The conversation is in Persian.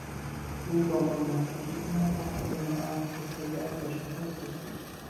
او با منت کشیدن از اهل و نااهل به ثروت و شهرت رسید.